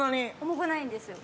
重くないんですよ